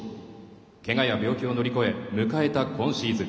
けがや病気を乗り越え迎えた今シーズン。